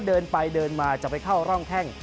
เดินมาจะไปเข้าร่องแข้ง